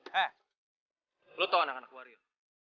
hei lu tau anak anak warrior